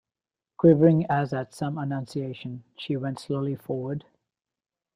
Quivering as at some annunciation, she went slowly forward.